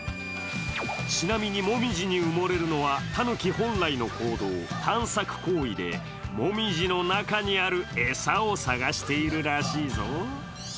ちなみに紅葉に埋もれるのはタヌキ本来の行動、探索行為で、紅葉の中にある餌を探しているらしいぞ。